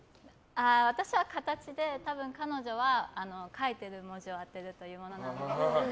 私は形で多分彼女は書いてる文字を当てるというものなので。